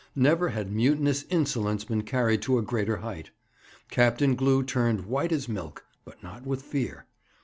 Never had mutinous insolence been carried to a greater height. Captain Glew turned white as milk, but not with fear.